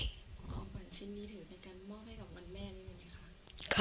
ความขวัญชิ้นนี้ถือไปกันมอบให้กับวัญแม่นี่ไหมคะ